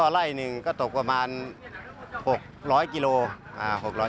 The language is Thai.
ไล่หนึ่งก็ตกประมาณ๖๐๐กิโล